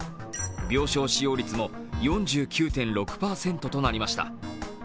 病床使用率も４９．６％となりました。